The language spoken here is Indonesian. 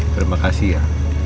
terima kasih ya